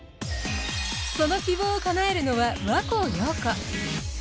その希望をかなえるのは若生洋子。